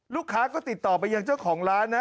ลูกค้าก็ติดต่อไปยังเจ้าของร้านนะ